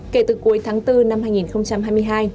kể từ cuối tháng bốn năm hai nghìn hai mươi hai